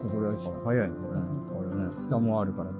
下もあるから。